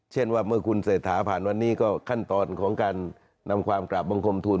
เช่นว่าเมื่อคุณเศรษฐาผ่านวันนี้ก็ขั้นตอนของการนำความกราบบังคมทุน